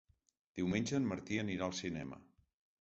Diumenge en Martí anirà al cinema.